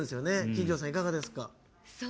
金城さん、いかがですか？